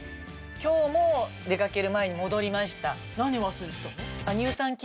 今日も出かける前に戻りました。